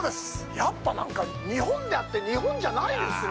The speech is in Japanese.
やっぱ、日本であって、日本じゃないですね。